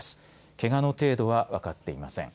けがの程度は分かっていません。